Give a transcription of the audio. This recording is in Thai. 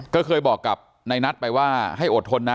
ก็เคยบอกกับนายนัทไปว่าให้อดทนนะ